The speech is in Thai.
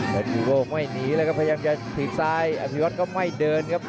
อภิวัฒน์ก็ไม่หนีเลยครับพยายามจะถีดซ้ายอภิวัฒน์ก็ไม่เดินครับ